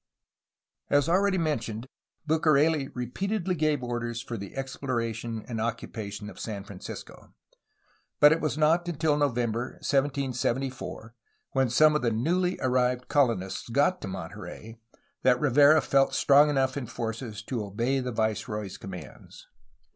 As already mentioned, Bucareli repeatedly gave orders for the exploration and occupation of San Francisco, but it was not until November 1774, when some of the new^ly arrived colonists got to Monterey, that Rivera felt strong enough in forces to obey the viceroy's commands.